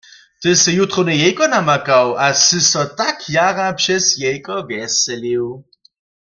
Ty sy jutrowne jejko namakał a sy so tak jara přez jejko wjeselił.